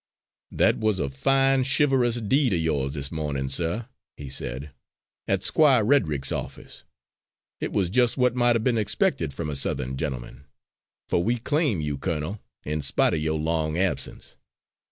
"That was a fine, chivalrous deed of yours this morning, sir," he said, "at Squire Reddick's office. It was just what might have been expected from a Southern gentleman; for we claim you, colonel, in spite of your long absence."